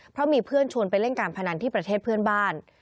เพราะมีเพื่อนชวนไปเล่นการพนันที่ประเทศเพื่อนบ้าน